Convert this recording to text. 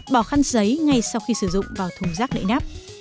bỏ khăn giấy ngay sau khi sử dụng vào thùng rác đậy nắp